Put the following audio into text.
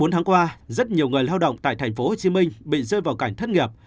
bốn tháng qua rất nhiều người lao động tại tp hcm bị rơi vào cảnh thất nghiệp